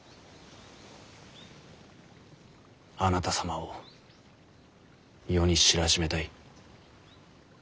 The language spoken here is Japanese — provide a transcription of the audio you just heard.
あなた様を世に知らしめたい。